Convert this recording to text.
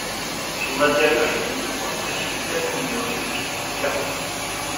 Son intérieur est garni de bois précieux, d'aluminium et de fibre de carbone.